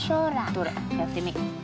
どれやってみよう。